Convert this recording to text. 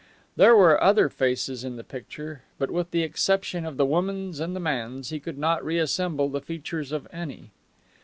There were other faces in the picture, but with the exception of the woman's and the man's he could not reassemble the features of any.